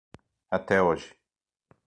Até hoje.